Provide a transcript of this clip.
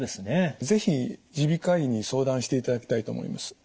是非耳鼻科医に相談していただきたいと思います。